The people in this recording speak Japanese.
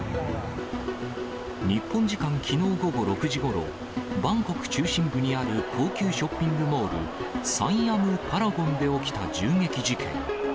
日本時間きのう午後６時ごろ、バンコク中心部にある高級ショッピングモール、サイアム・パラゴンで起きた銃撃事件。